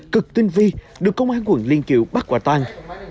cực tinh vi được công an quận liên triệu bắt quả toàn